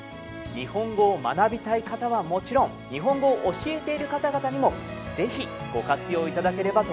日本語を学びたい方はもちろん日本語を教えている方々にも是非ご活用いただければと思います。